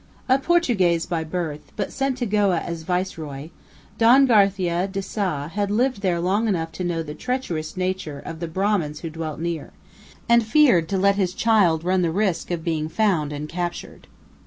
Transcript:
A Portuguese by birth, but sent to Goa as Viceroy, Don Garcia de Sa had lived there long enough to know the treacherous natures of the Brahmins who dwelt near, and feared to let his child run the risk of being found and captured.